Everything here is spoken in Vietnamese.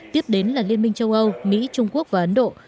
tiếp đến là liên minh châu âu mỹ trung quốc và ấn độ